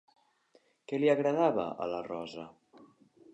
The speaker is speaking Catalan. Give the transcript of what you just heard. Què li agradava, a la Rosa?